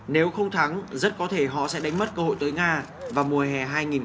nếu không thắng rất có thể họ sẽ đánh mất cơ hội tới nga vào mùa hè hai nghìn hai mươi